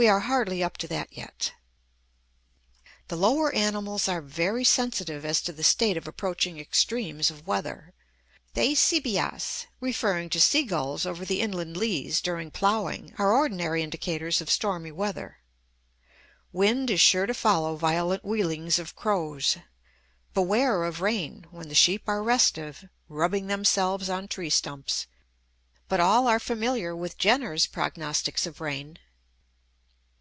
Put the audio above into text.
We are hardly up to that yet. The lower animals are very sensitive as to the state of approaching extremes of weather. "Thae sea beass," referring to sea gulls over the inland leas during ploughing, are ordinary indicators of stormy weather. Wind is sure to follow violent wheelings of crows. "Beware of rain" when the sheep are restive, rubbing themselves on tree stumps. But all are familiar with Jenner's prognostics of rain.